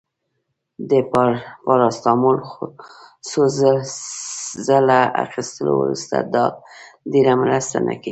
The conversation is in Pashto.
د پاراسټامول څو ځله اخیستلو وروسته، دا ډیره مرسته نه کوي.